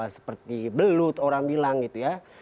seperti belut orang bilang gitu ya